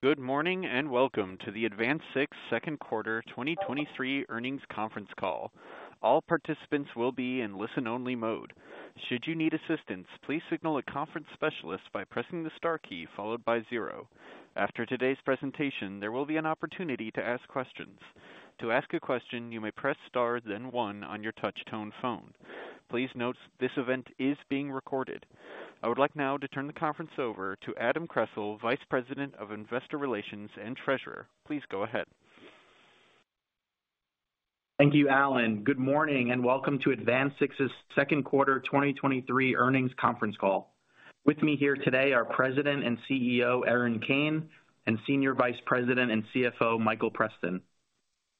Good morning. Welcome to the AdvanSix second quarter 2023 earnings conference call. All participants will be in listen-only mode. Should you need assistance, please signal a conference specialist by pressing the star key followed by zero. After today's presentation, there will be an opportunity to ask questions. To ask a question, you may press star, then one on your touchtone phone. Please note, this event is being recorded. I would like now to turn the conference over to Adam Kressel, Vice President of Investor Relations and Treasurer. Please go ahead. Thank you, Alan. Good morning, welcome to AdvanSix's second quarter 2023 earnings conference call. With me here today are President and CEO, Erin Kane, and Senior Vice President and CFO, Michael Preston.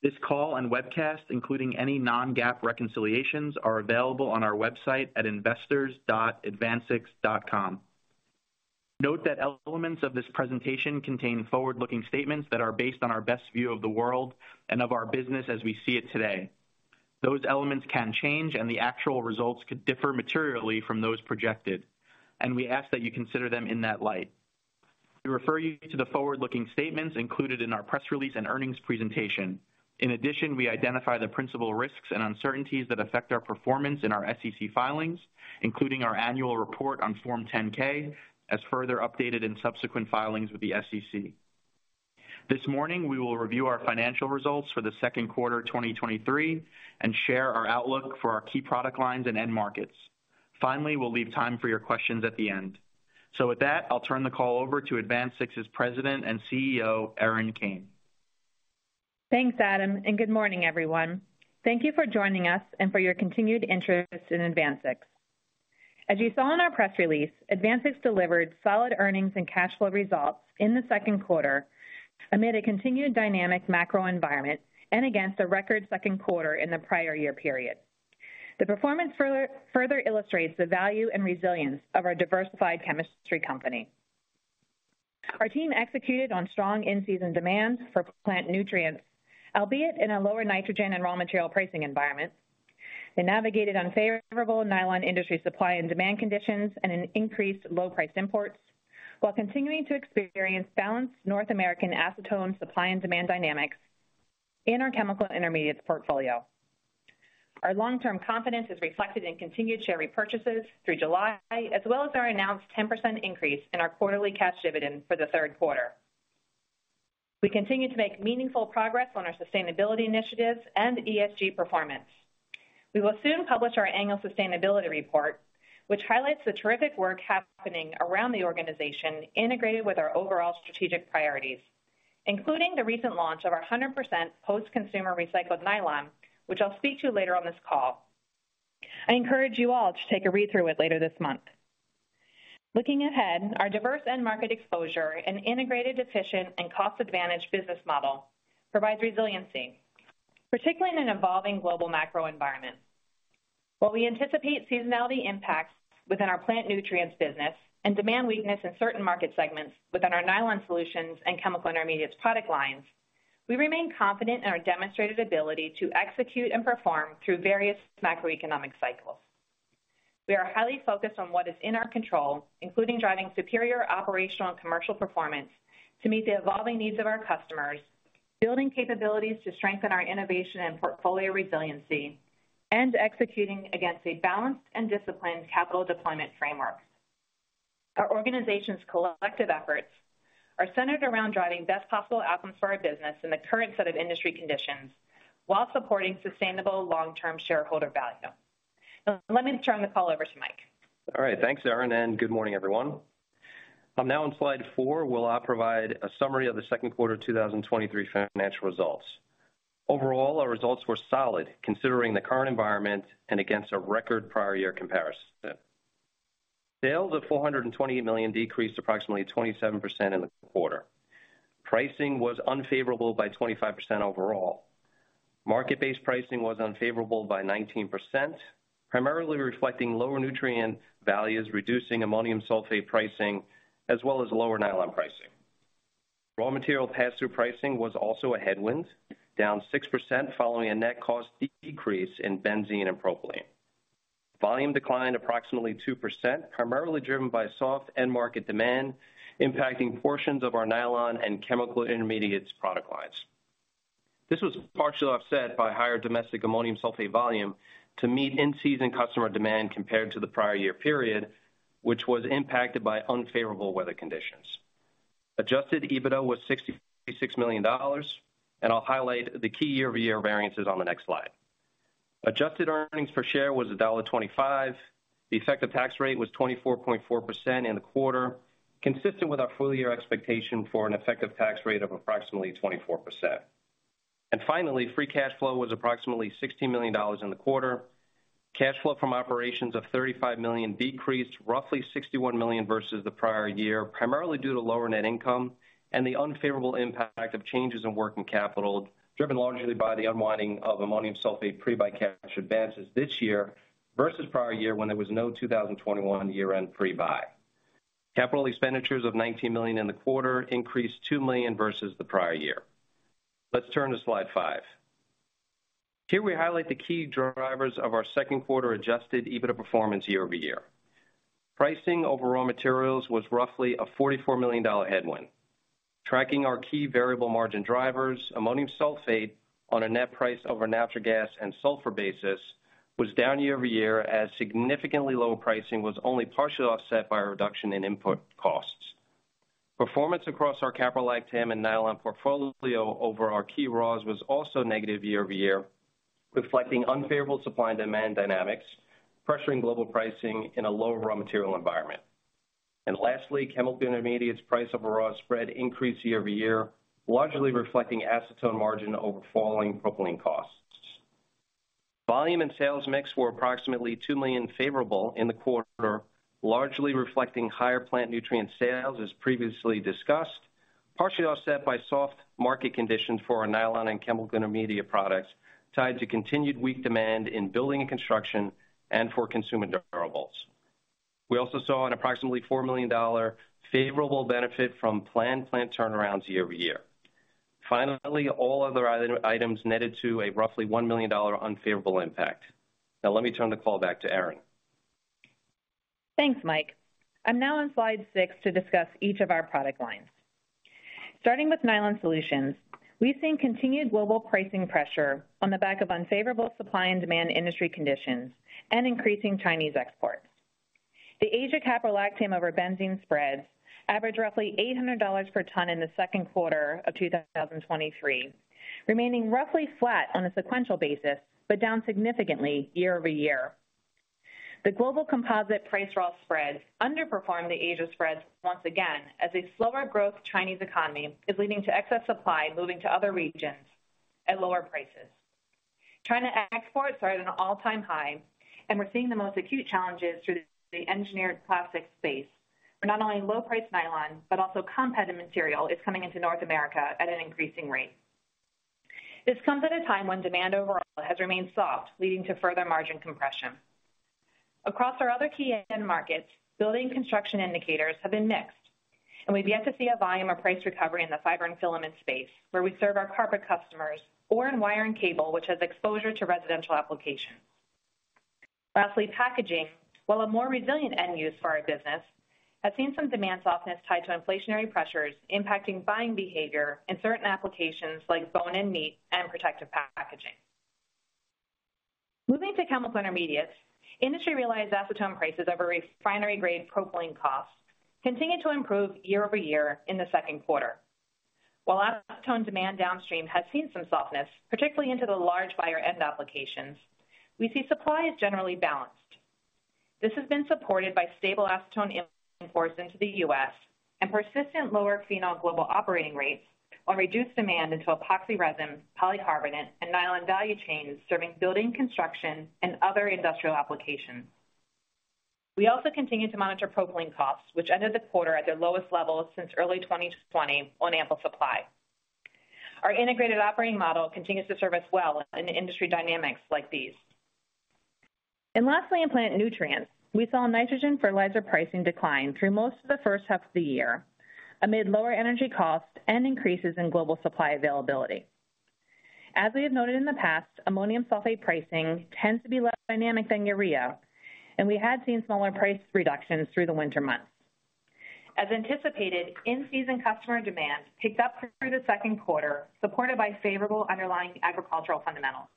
This call and webcast, including any non-GAAP reconciliations, are available on our website at investors.advansix.com. Note that elements of this presentation contain forward-looking statements that are based on our best view of the world and of our business as we see it today. Those elements can change, the actual results could differ materially from those projected, we ask that you consider them in that light. We refer you to the forward-looking statements included in our press release and earnings presentation. We identify the principal risks and uncertainties that affect our performance in our SEC filings, including our annual report on Form 10-K, as further updated in subsequent filings with the SEC. This morning, we will review our financial results for the second quarter, 2023, and share our outlook for our key product lines and end markets. Finally, we'll leave time for your questions at the end. With that, I'll turn the call over to AdvanSix's President and CEO, Erin Kane. Thanks, Adam. Good morning, everyone. Thank you for joining us and for your continued interest in AdvanSix. As you saw in our press release, AdvanSix delivered solid earnings and cash flow results in the second quarter amid a continued dynamic macro environment and against a record second quarter in the prior year period. The performance further illustrates the value and resilience of our diversified chemistry company. Our team executed on strong in-season demand for Plant Nutrients, albeit in a lower nitrogen and raw material pricing environment. They navigated unfavorable nylon industry supply and demand conditions and an increased low-price imports, while continuing to experience balanced North American acetone supply and demand dynamics in our chemical intermediates portfolio. Our long-term confidence is reflected in continued share repurchases through July, as well as our announced 10% increase in our quarterly cash dividend for the third quarter. We continue to make meaningful progress on our sustainability initiatives and ESG performance. We will soon publish our annual sustainability report, which highlights the terrific work happening around the organization, integrated with our overall strategic priorities, including the recent launch of our 100% post-consumer recycled nylon, which I'll speak to later on this call. I encourage you all to take a read through it later this month. Looking ahead, our diverse end market exposure and integrated, efficient, and cost-advantaged business model provides resiliency, particularly in an evolving global macro environment. While we anticipate seasonality impacts within our Plant Nutrients business and demand weakness in certain market segments within our nylon solutions and chemical intermediates product lines, we remain confident in our demonstrated ability to execute and perform through various macroeconomic cycles. We are highly focused on what is in our control, including driving superior operational and commercial performance to meet the evolving needs of our customers, building capabilities to strengthen our innovation and portfolio resiliency, and executing against a balanced and disciplined capital deployment framework. Our organization's collective efforts are centered around driving best possible outcomes for our business in the current set of industry conditions, while supporting sustainable long-term shareholder value. Let me turn the call over to Mike. All right, thanks, Erin. Good morning, everyone. I'm now on slide four, where I'll provide a summary of the second quarter of 2023 financial results. Overall, our results were solid, considering the current environment and against a record prior year comparison. Sales of $428 million decreased approximately 27% in the quarter. Pricing was unfavorable by 25% overall. Market-based pricing was unfavorable by 19%, primarily reflecting lower nutrient values, reducing ammonium sulfate pricing, as well as lower nylon pricing. Raw material pass-through pricing was also a headwind, down 6% following a net cost decrease in benzene and propylene. Volume declined approximately 2%, primarily driven by soft end market demand, impacting portions of our nylon and chemical intermediates product lines. This was partially offset by higher domestic ammonium sulfate volume to meet in-season customer demand compared to the prior year period, which was impacted by unfavorable weather conditions. Adjusted EBITDA was $66 million. I'll highlight the key year-over-year variances on the next slide. Adjusted earnings per share was $1.25. The effective tax rate was 24.4% in the quarter, consistent with our full-year expectation for an effective tax rate of approximately 24%. Finally, free cash flow was approximately $60 million in the quarter. Cash flow from operations of $35 million decreased roughly $61 million versus the prior year, primarily due to lower net income and the unfavorable impact of changes in working capital, driven largely by the unwinding of ammonium sulfate pre-buy cash advances this year versus prior year when there was no 2021 year-end pre-buy. Capital expenditures of $19 million in the quarter increased $2 million versus the prior year. Let's turn to slide five. Here we highlight the key drivers of our second quarter Adjusted EBITDA performance year-over-year. Pricing over raw materials was roughly a $44 million headwind. Tracking our key variable margin drivers, ammonium sulfate on a net price over natural gas and sulfur basis, was down year-over-year as significantly lower pricing was only partially offset by a reduction in input costs. Performance across our caprolactam and nylon portfolio over our key raws was also negative year-over-year, reflecting unfavorable supply and demand dynamics, pressuring global pricing in a low raw material environment. Lastly, chemical intermediates price over raw spread increased year-over-year, largely reflecting acetone margin over falling propylene costs. Volume and sales mix were approximately $2 million favorable in the quarter, largely reflecting higher Plant Nutrients sales, as previously discussed, partially offset by soft market conditions for our nylon and chemical intermediate products, tied to continued weak demand in building and construction and for consumer durables. We also saw an approximately $4 million favorable benefit from planned plant turnarounds year-over-year. Finally, all other items netted to a roughly $1 million unfavorable impact. Now let me turn the call back to Erin. Thanks, Mike. I'm now on slide six to discuss each of our product lines. Starting with nylon solutions, we've seen continued global pricing pressure on the back of unfavorable supply and demand industry conditions and increasing Chinese exports. The Asia caprolactam over benzene spreads averaged roughly $800 per ton in the second quarter of 2023, remaining roughly flat on a sequential basis, but down significantly year-over-year. The global composite price raw spread underperformed the Asia spreads once again, as a slower growth Chinese economy is leading to excess supply moving to other regions at lower prices. China exports are at an all-time high. We're seeing the most acute challenges through the engineered plastic space, where not only low-priced nylon, but also competitive material is coming into North America at an increasing rate. This comes at a time when demand overall has remained soft, leading to further margin compression. Across our other key end markets, building construction indicators have been mixed, and we've yet to see a volume or price recovery in the fiber and filament space, where we serve our carpet customers, or in wire and cable, which has exposure to residential application. Lastly, packaging, while a more resilient end use for our business, has seen some demand softness tied to inflationary pressures impacting buying behavior in certain applications like bone and meat and protective packaging. Moving to chemical intermediates, industry realized acetone prices over refinery grade propylene costs continued to improve year-over-year in the second quarter. While acetone demand downstream has seen some softness, particularly into the large buyer end applications, we see supply is generally balanced. This has been supported by stable acetone imports into the U.S. and persistent lower phenol global operating rates on reduced demand into epoxy resin, polycarbonate, and nylon value chains serving building, construction, and other industrial applications. We also continue to monitor propylene costs, which ended the quarter at their lowest levels since early 2020 on ample supply. Our integrated operating model continues to serve us well in industry dynamics like these. Lastly, in Plant Nutrients, we saw nitrogen fertilizer pricing decline through most of the first half of the year, amid lower energy costs and increases in global supply availability. As we have noted in the past, ammonium sulfate pricing tends to be less dynamic than urea, and we had seen smaller price reductions through the winter months. As anticipated, in-season customer demand picked up through the second quarter, supported by favorable underlying agricultural fundamentals.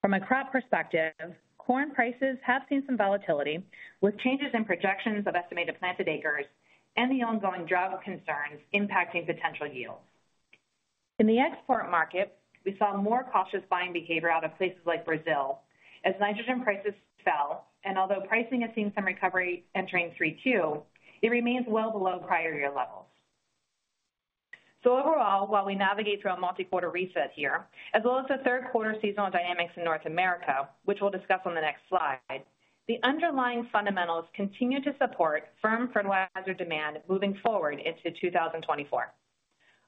From a crop perspective, corn prices have seen some volatility, with changes in projections of estimated planted acres and the ongoing drought concerns impacting potential yields. In the export market, we saw more cautious buying behavior out of places like Brazil as nitrogen prices fell, and although pricing has seen some recovery entering 3/2, it remains well below prior year levels. Overall, while we navigate through a multi-quarter reset here, as well as the third quarter seasonal dynamics in North America, which we'll discuss on the next slide, the underlying fundamentals continue to support firm fertilizer demand moving forward into 2024.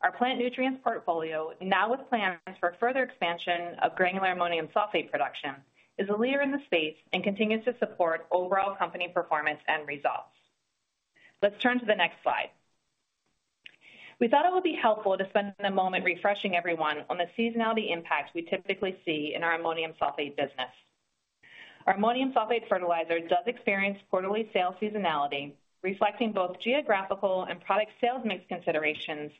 Our Plant Nutrients portfolio, now with plans for further expansion of granular ammonium sulfate production, is a leader in the space and continues to support overall company performance and results. Let's turn to the next slide. We thought it would be helpful to spend a moment refreshing everyone on the seasonality impacts we typically see in our ammonium sulfate business. Our ammonium sulfate fertilizer does experience quarterly sales seasonality, reflecting both geographical and product sales mix considerations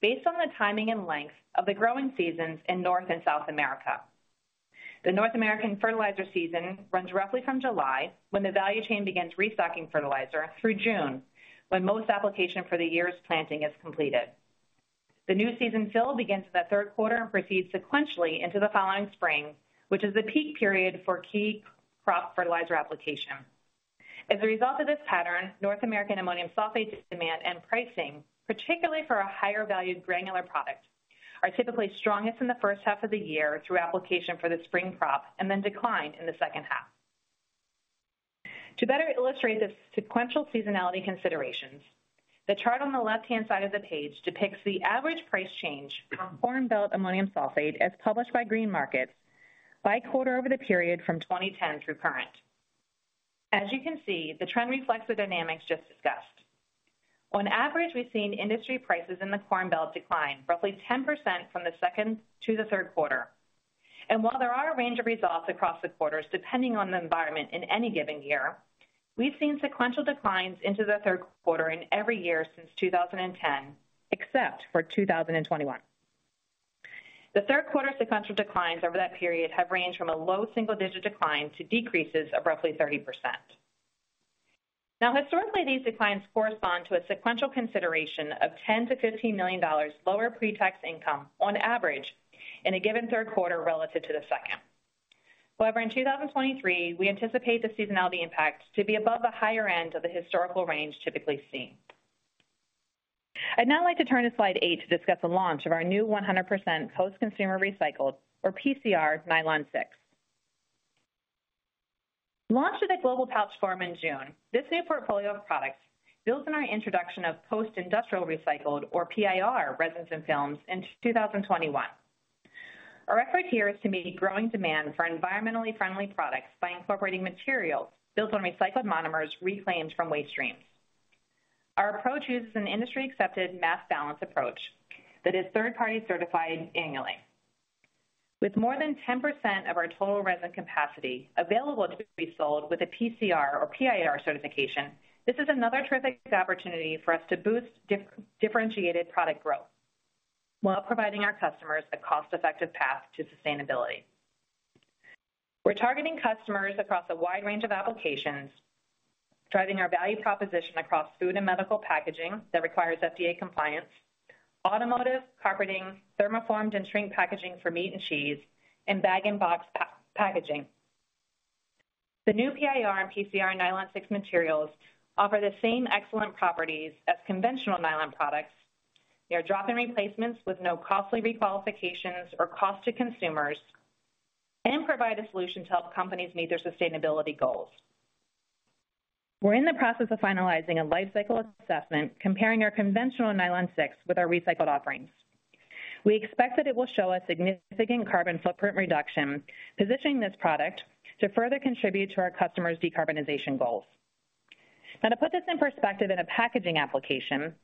based on the timing and length of the growing seasons in North and South America. The North American fertilizer season runs roughly from July, when the value chain begins restocking fertilizer, through June, when most application for the year's planting is completed. The new season fill begins in the third quarter and proceeds sequentially into the following spring, which is the peak period for key crop fertilizer application. As a result of this pattern, North American ammonium sulfate demand and pricing, particularly for our higher valued granular products, are typically strongest in the first half of the year through application for the spring crop, and then decline in the second half. To better illustrate the sequential seasonality considerations, the chart on the left-hand side of the page depicts the average price change from Corn Belt ammonium sulfate, as published by Green Markets, by quarter over the period from 2010 through current. As you can see, the trend reflects the dynamics just discussed. On average, we've seen industry prices in the Corn Belt decline roughly 10% from the second to the third quarter. While there are a range of results across the quarters, depending on the environment in any given year, we've seen sequential declines into the third quarter in every year since 2010, except for 2021. The third quarter sequential declines over that period have ranged from a low single-digit decline to decreases of roughly 30%. Now, historically, these declines correspond to a sequential consideration of $10 million-$15 million lower pretax income on average in a given third quarter relative to the second. However, in 2023, we anticipate the seasonality impact to be above the higher end of the historical range typically seen. I'd now like to turn to slide eight to discuss the launch of our new 100% post-consumer recycled, or PCR, nylon 6. Launched at the Global Pouch Forum in June, this new portfolio of products builds on our introduction of post-industrial recycled, or PIR, resins and films in 2021. Our effort here is to meet growing demand for environmentally friendly products by incorporating materials built on recycled monomers reclaimed from waste streams. Our approach uses an industry-accepted mass balance approach that is third-party certified annually. With more than 10% of our total resin capacity available to be sold with a PCR or PIR certification, this is another terrific opportunity for us to boost differentiated product growth while providing our customers a cost-effective path to sustainability. We're targeting customers across a wide range of applications, driving our value proposition across food and medical packaging that requires FDA compliance, automotive, carpeting, thermoformed and shrink packaging for meat and cheese, and bag and box packaging. The new PIR and PCR nylon 6 materials offer the same excellent properties as conventional nylon products. They are drop-in replacements with no costly re-qualifications or cost to consumers and provide a solution to help companies meet their sustainability goals. We're in the process of finalizing a life cycle assessment comparing our conventional nylon 6 with our recycled offerings. We expect that it will show a significant carbon footprint reduction, positioning this product to further contribute to our customers' decarbonization goals. Now, to put this in perspective, in a packaging application,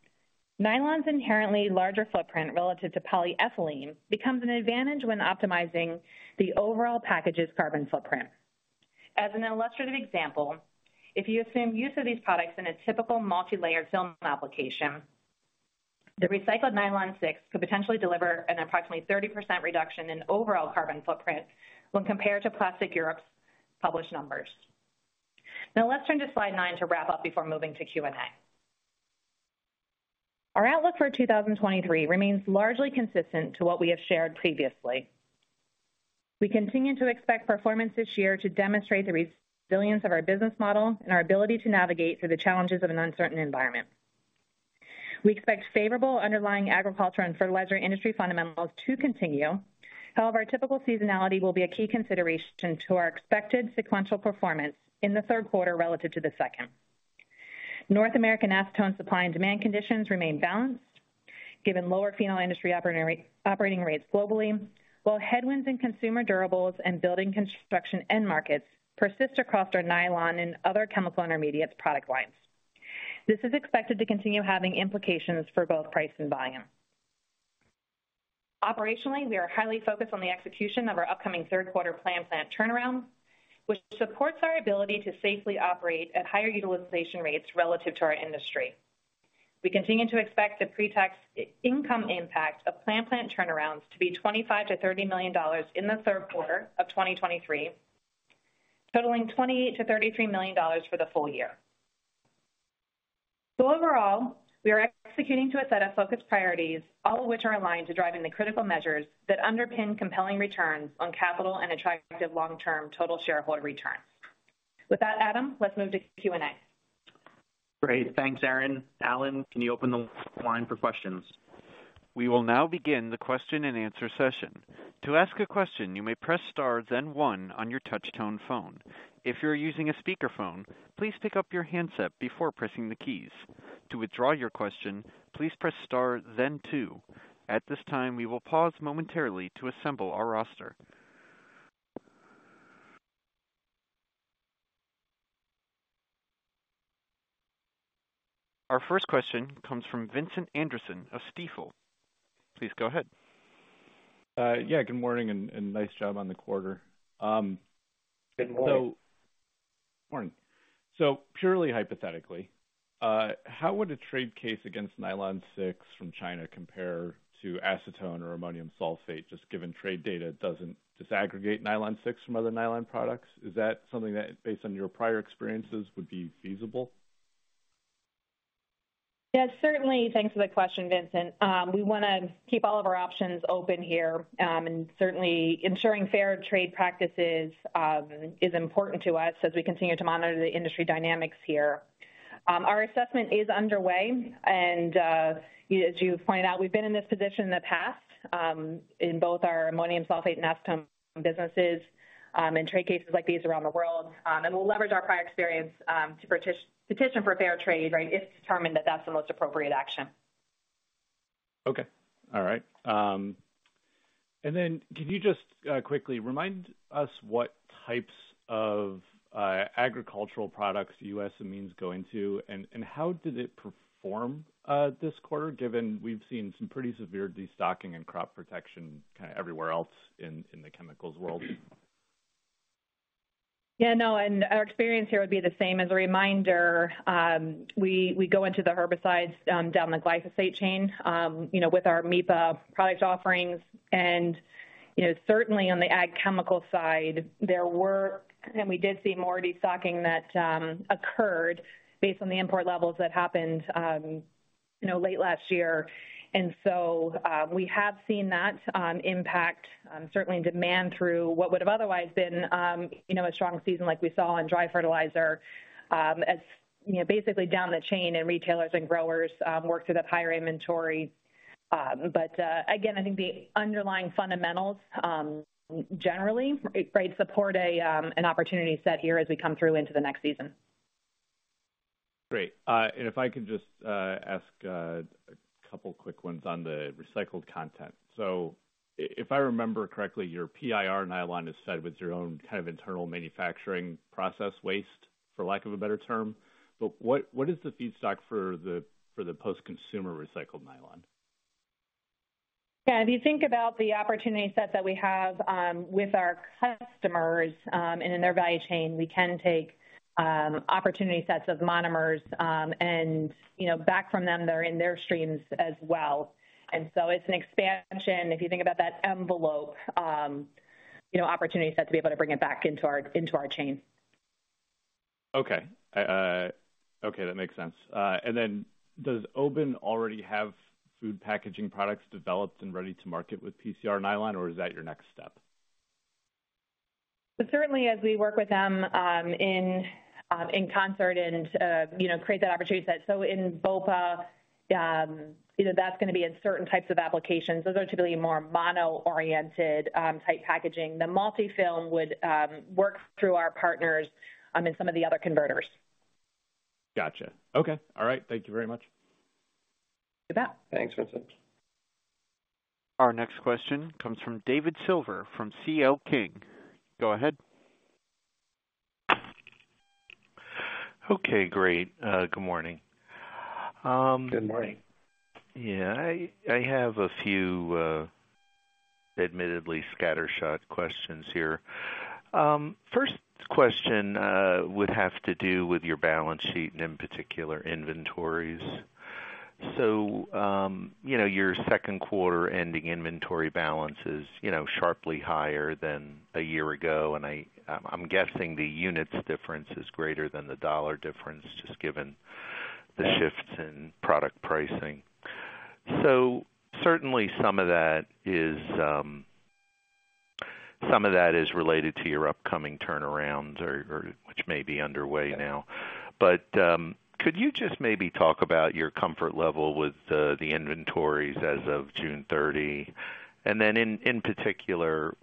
nylon's inherently larger footprint relative to polyethylene becomes an advantage when optimizing the overall package's carbon footprint. As an illustrative example, if you assume use of these products in a typical multilayered film application, the recycled nylon 6 could potentially deliver an approximately 30% reduction in overall carbon footprint when compared to Plastics Europe's published numbers. Now let's turn to slide nine to wrap up before moving to Q&A. Our outlook for 2023 remains largely consistent to what we have shared previously. We continue to expect performance this year to demonstrate the resilience of our business model and our ability to navigate through the challenges of an uncertain environment. We expect favorable underlying agriculture and fertilizer industry fundamentals to continue. However, typical seasonality will be a key consideration to our expected sequential performance in the third quarter relative to the second. North American acetone supply and demand conditions remain balanced, given lower phenol industry operating rates globally, while headwinds in consumer durables and building construction end markets persist across our nylon and other chemical intermediates product lines. This is expected to continue having implications for both price and volume. Operationally, we are highly focused on the execution of our upcoming third quarter planned plant turnaround, which supports our ability to safely operate at higher utilization rates relative to our industry. We continue to expect the pretax income impact of planned plant turnarounds to be $25 million-$30 million in the third quarter of 2023, totaling $28 million-$33 million for the full year. Overall, we are executing to a set of focused priorities, all of which are aligned to driving the critical measures that underpin compelling returns on capital and attractive long-term total shareholder returns. With that, Adam, let's move to Q&A. Great. Thanks, Erin. Alan, can you open the line for questions? We will now begin the question-and-answer session. To ask a question, you may press star, then one on your touchtone phone. If you're using a speakerphone, please pick up your handset before pressing the keys. To withdraw your question, please press star, then two. At this time, we will pause momentarily to assemble our roster. Our first question comes from Vincent Anderson of Stifel. Please go ahead. yeah, good morning and, and nice job on the quarter. Good morning. Morning. Purely hypothetically, how would a trade case against nylon 6 from China compare to acetone or ammonium sulfate, just given trade data doesn't disaggregate nylon 6 from other nylon products? Is that something that, based on your prior experiences, would be feasible? Yeah, certainly. Thanks for the question, Vincent. We want to keep all of our options open here, and certainly ensuring fair trade practices, is important to us as we continue to monitor the industry dynamics here. Our assessment is underway, and as you pointed out, we've been in this position in the past, in both our ammonium sulfate and acetone businesses, in trade cases like these around the world, and we'll leverage our prior experience to petition for fair trade, right, if determined that that's the most appropriate action. Okay. All right. Could you just quickly remind us what types of agricultural products US Amines go into, and how did it perform this quarter, given we've seen some pretty severe destocking in crop protection kind of everywhere else in the chemicals world? Yeah, no, and our experience here would be the same. As a reminder, we, we go into the herbicides, down the glyphosate chain, you know, with our MIPA product offerings. You know, certainly on the ag chemical side, and we did see more destocking that occurred based on the import levels that happened, you know, late last year. We have seen that impact, certainly in demand through what would have otherwise been, you know, a strong season like we saw on dry fertilizer, as, you know, basically down the chain in retailers and growers, work through that higher inventory. Again, I think the underlying fundamentals, generally, right, support an opportunity set here as we come through into the next season. Great. If I could just ask a couple quick ones on the recycled content. If I remember correctly, your PIR nylon is fed with your own kind of internal manufacturing process waste, for lack of a better term, but what, what is the feedstock for the post-consumer recycled nylon? Yeah, if you think about the opportunity set that we have, with our customers, and in their value chain, we can take, opportunity sets of monomers, and, you know, back from them that are in their streams as well. It's an expansion, if you think about that envelope, you know, opportunity set to be able to bring it back into our, into our chain. Okay. Okay, that makes sense. Then does [Obin] already have food packaging products developed and ready to market with PCR nylon, or is that your next step? Certainly as we work with them, in in concert and, you know, create that opportunity set. In BOPA, you know, that's gonna be in certain types of applications. Those are typically more mono-oriented type packaging. The multi-film would work through our partners, in some of the other converters. Gotcha. Okay. All right. Thank you very much. You bet. Thanks, Vincent. Our next question comes from David Silver from C.L. King. Go ahead. Okay, great. Good morning. Good morning. Yeah, I have a few, admittedly scattershot questions here. First question would have to do with your balance sheet and, in particular, inventories. You know, your second quarter ending inventory balance is, you know, sharply higher than a year ago, and I'm guessing the units difference is greater than the dollar difference, just given the shifts in product pricing. Certainly, some of that is, some of that is related to your upcoming turnarounds or, or which may be underway now. Could you just maybe talk about your comfort level with the, the inventories as of June 30? Then in particular,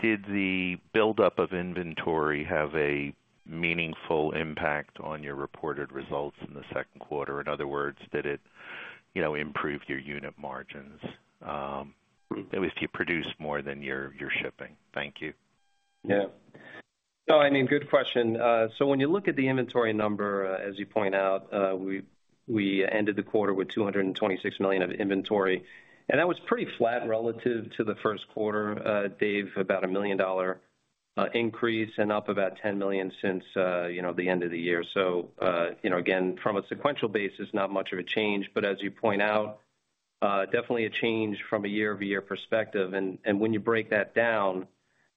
did the buildup of inventory have a meaningful impact on your reported results in the second quarter? In other words, did it, you know, improve your unit margins, at least you produce more than you're, you're shipping? Thank you. Yeah. No. I mean, good question. When you look at the inventory number, as you point out, we ended the quarter with $226 million of inventory, and that was pretty flat relative to the first quarter, Dave, about a $1 million increase and up about $10 million since, you know, the end of the year. You know, again, from a sequential basis, not much of a change, but as you point out, definitely a change from a year-over-year perspective. When you break that down,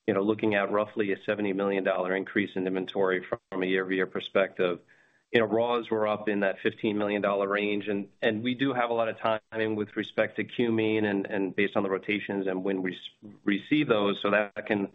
you know, looking at roughly a $70 million increase in inventory from a year-over-year perspective, you know, raws were up in that $15 million range, and we do have a lot of timing with respect to cumene and, based on the rotations and when we receive those, so that can, you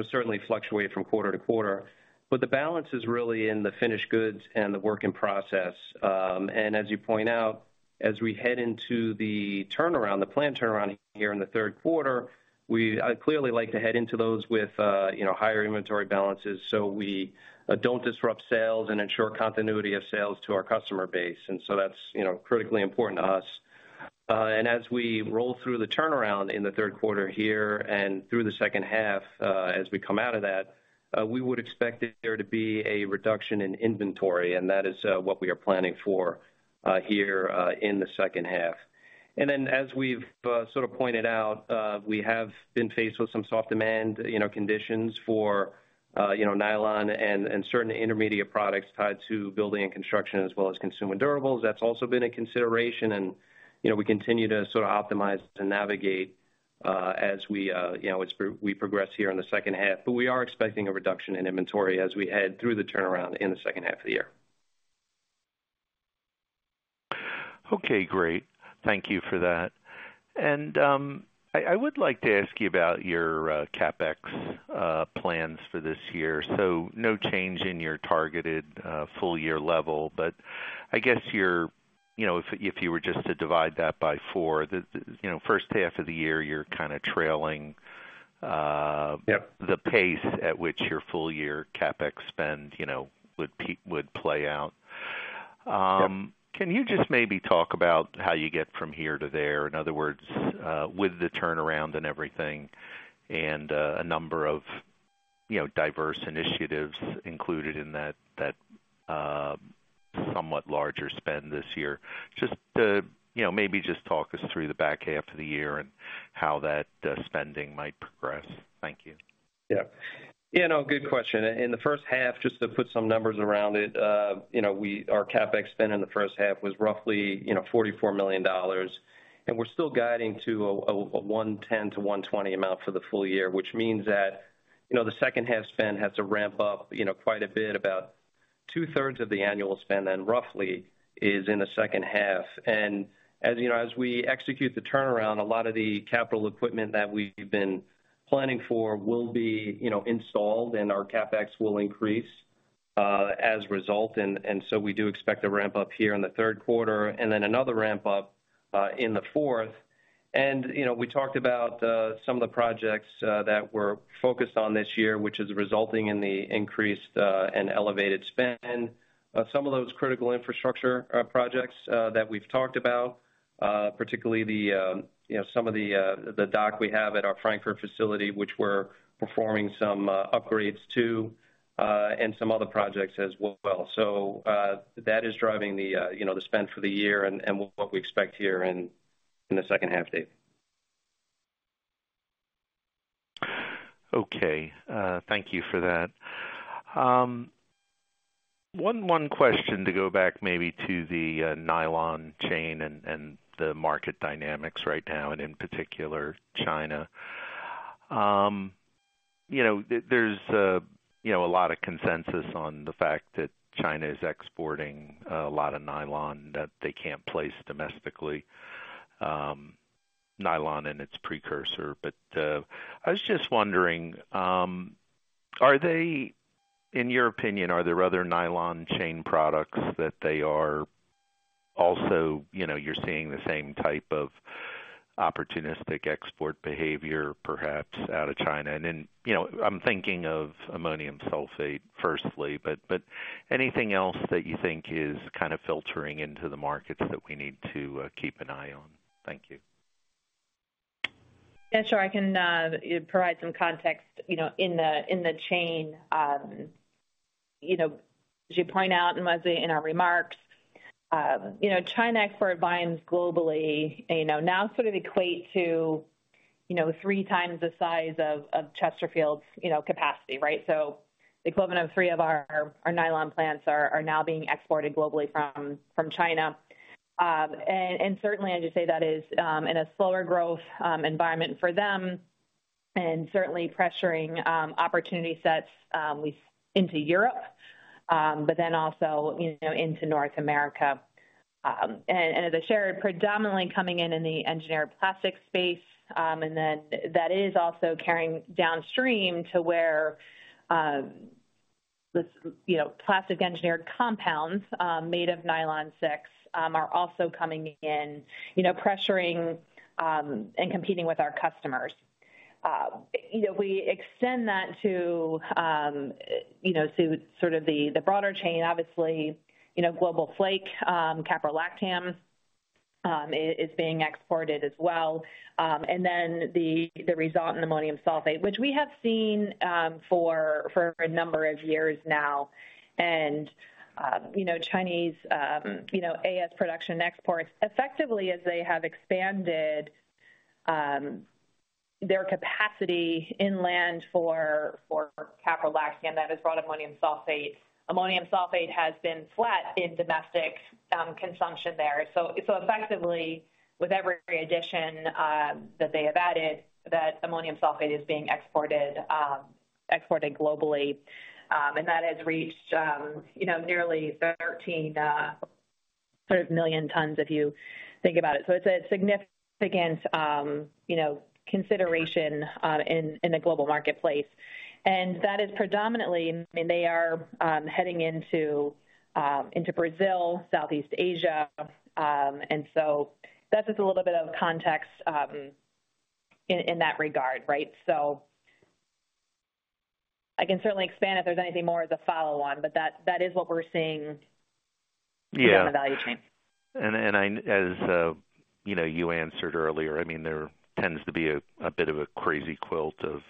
know, certainly fluctuate from quarter-to-quarter. The balance is really in the finished goods and the work in process. As you point out, as we head into the turnaround, the plant turnaround here in the third quarter, I'd clearly like to head into those with, you know, higher inventory balances, so we don't disrupt sales and ensure continuity of sales to our customer base. That's, you know, critically important to us. As we roll through the turnaround in the third quarter here and through the second half, as we come out of that, we would expect there to be a reduction in inventory, and that is what we are planning for here in the second half. As we've sort of pointed out, we have been faced with some soft demand, you know, conditions for, you know, nylon and certain intermediate products tied to building and construction, as well as consumer durables. That's also been a consideration, you know, we continue to sort of optimize to navigate as we, you know, as we, we progress here in the second half. We are expecting a reduction in inventory as we head through the turnaround in the second half of the year. Okay, great. Thank you for that. I would like to ask you about your CapEx plans for this year. So no change in your targeted, full year level, but I guess you're, you know, if, if you were just to divide that by four, the, the, you know, first half of the year, you're kind of trailing, the pace at which your full year CapEx spend, you know, would peak, would play out. Can you just maybe talk about how you get from here to there? In other words, with the turnaround and everything and, a number of, you know, diverse initiatives included in that, that, somewhat larger spend this year. Just to, you know, maybe just talk us through the back half of the year and how that spending might progress. Thank you. Yeah. You know, good question. In the first half, just to put some numbers around it, you know, our CapEx spend in the first half was roughly, you know, $44 million, we're still guiding to a $110 million-$120 million amount for the full year, which means that, you know, the second half spend has to ramp up, you know, quite a bit. About two-thirds of the annual spend then, roughly, is in the second half. As you know, as we execute the turnaround, a lot of the capital equipment that we've been planning for will be, you know, installed, and our CapEx will increase as a result. So we do expect a ramp up here in the third quarter and then another ramp up in the fourth. You know, we talked about some of the projects that we're focused on this year, which is resulting in the increased and elevated spend. Some of those critical infrastructure projects that we've talked about, particularly the, you know, some of the, the dock we have at our Frankford facility, which we're performing some upgrades to, and some other projects as well. That is driving the, you know, the spend for the year and what we expect here in the second half, Dave. Okay, thank you for that. One, one question to go back maybe to the nylon chain and the market dynamics right now, and in particular, China. You know, there's, you know, a lot of consensus on the fact that China is exporting a lot of nylon that they can't place domestically, nylon and its precursor. I was just wondering, are they. In your opinion, are there other nylon chain products that they are also, you know, you're seeing the same type of opportunistic export behavior, perhaps, out of China? You know, I'm thinking of ammonium sulfate, firstly, but anything else that you think is kind of filtering into the markets that we need to keep an eye on? Thank you. Yeah, sure. I can provide some context, you know, in the, in the chain. You know, as you point out, Leslie in our remarks, you know, China export binds globally, you know, now sort of equate to, you know, three times the size of Chesterfield, you know, capacity, right? The equivalent of three of our, our nylon plants are now being exported globally from China. Certainly, I just say that is in a slower growth environment for them, and certainly pressuring opportunity sets, we into Europe, but then also, you know, into North America. As I shared, predominantly coming in in the engineered plastic space, and then that is also carrying downstream to where, this, you know, plastic engineered compounds, made of nylon 6, are also coming in, you know, pressuring, and competing with our customers. You know, we extend that to, you know, to sort of the, the broader chain. Obviously, you know, global flake, caprolactam, is being exported as well. The, the result in ammonium sulfate, which we have seen, for, for a number of years now. You know, Chinese, you know, AS production exports, effectively as they have expanded, their capacity inland for, for caprolactam, that is broad ammonium sulfate. Ammonium sulfate has been flat in domestic, consumption there. Effectively, with every addition that they have added, that ammonium sulfate is being exported, exported globally, and that has reached, you know, nearly 13 million tons, if you think about it. It's a significant, you know, consideration in the global marketplace. That is predominantly, I mean, they are heading into Brazil, Southeast Asia. That's just a little bit of context in that regard, right? I can certainly expand if there's anything more as a follow-on, but that, that is what we're seeing. Yeah. In the value chain. I as, you know, you answered earlier, I mean, there tends to be a, a bit of a crazy quilt of,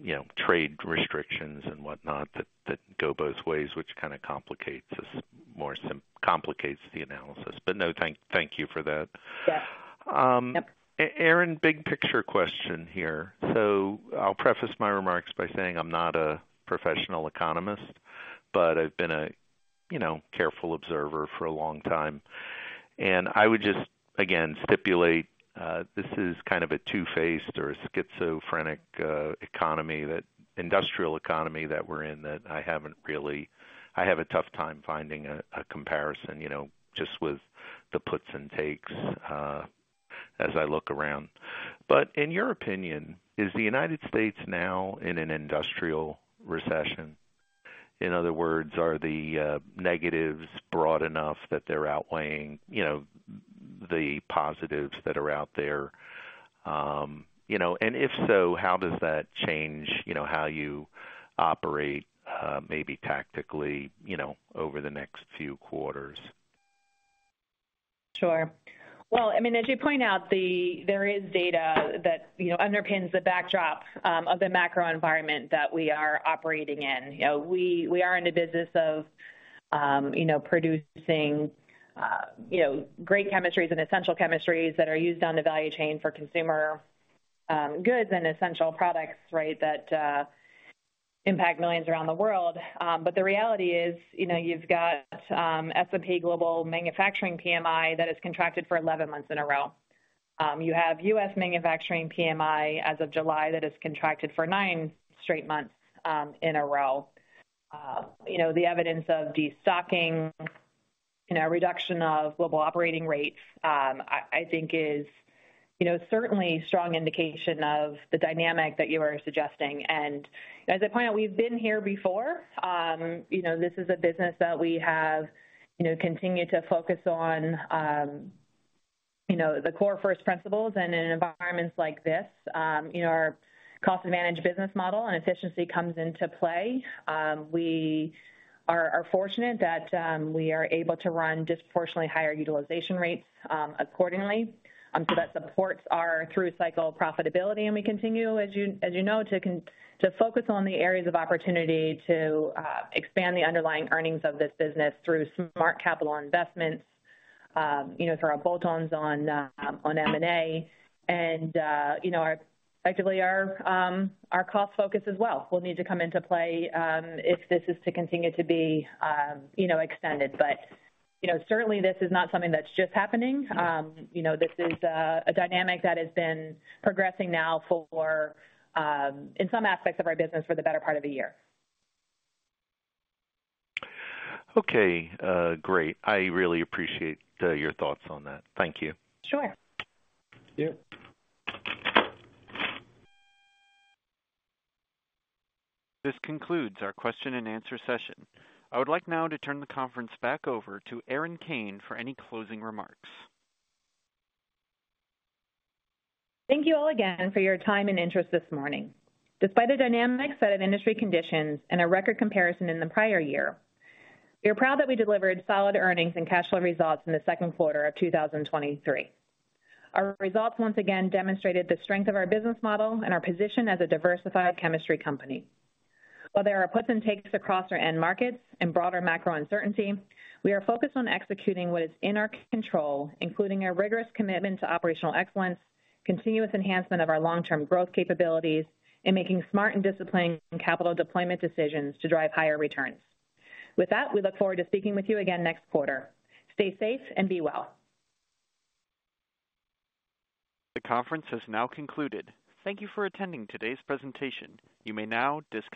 you know, trade restrictions and whatnot, that, that go both ways, which kind of complicates this more complicates the analysis. No, thank, thank you for that. Yeah. Erin, big picture question here. I'll preface my remarks by saying I'm not a professional economist, but I've been a, you know, careful observer for a long time. I would just, again, stipulate, this is kind of a two-faced or a schizophrenic economy, that industrial economy that we're in, that I haven't really, I have a tough time finding a comparison, you know, just with the puts and takes, as I look around. In your opinion, is the United States now in an industrial recession? In other words, are the negatives broad enough that they're outweighing, you know, the positives that are out there? You know, if so, how does that change, you know, how you operate, maybe tactically, you know, over the next few quarters? Sure. Well, I mean, as you point out, there is data that, you know, underpins the backdrop of the macro environment that we are operating in. You know, we, we are in the business of, you know, producing, you know, great chemistries and essential chemistries that are used on the value chain for consumer goods and essential products, right, that impact millions around the world. The reality is, you know, you've got S&P Global Manufacturing PMI that is contracted for 11 months in a row. You have U.S. Manufacturing PMI as of July, that is contracted for nine straight months in a row. You know, the evidence of destocking, you know, reduction of global operating rates, I, I think is, you know, certainly a strong indication of the dynamic that you are suggesting. As I point out, we've been here before. you know, this is a business that we have, you know, continued to focus on, you know, the core first principles. In environments like this, you know, our cost advantage business model and efficiency comes into play. we are, are fortunate that we are able to run disproportionately higher utilization rates accordingly. That supports our through cycle profitability, and we continue, as you, as you know, to focus on the areas of opportunity to expand the underlying earnings of this business through smart capital investments, you know, through our bolt-ons on M&A. Effectively, you know, our cost focus as well, will need to come into play, if this is to continue to be, you know, extended. You know, certainly this is not something that's just happening. You know, this is a dynamic that has been progressing now for, in some aspects of our business, for the better part of a year. Okay, great. I really appreciate your thoughts on that. Thank you. Sure. Yeah. This concludes our question-and-answer session. I would like now to turn the conference back over to Erin Kane for any closing remarks. Thank you all again for your time and interest this morning. Despite a dynamic set of industry conditions and a record comparison in the prior year, we are proud that we delivered solid earnings and cash flow results in the second quarter of 2023. Our results once again demonstrated the strength of our business model and our position as a diversified chemistry company. While there are puts and takes across our end markets and broader macro uncertainty, we are focused on executing what is in our control, including our rigorous commitment to operational excellence, continuous enhancement of our long-term growth capabilities, and making smart and disciplined capital deployment decisions to drive higher returns. With that, we look forward to speaking with you again next quarter. Stay safe and be well. The conference has now concluded. Thank you for attending today's presentation. You may now disconnect.